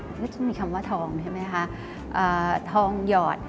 ก็จะมีคำว่าทองใช่ไหมคะทองหยอด